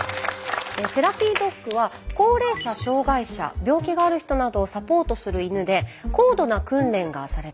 セラピードッグは高齢者障がい者病気がある人などをサポートする犬で高度な訓練がされています。